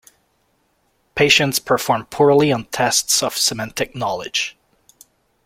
Patients perform poorly on tests of semantic knowledge.